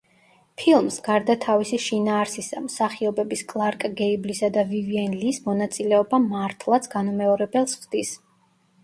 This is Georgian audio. ფილმს, გარდა თავისი შინაარსისა, მსახიობების კლარკ გეიბლისა და ვივიენ ლის, მონაწილეობა მართლაც განუმეორებელს ხდის.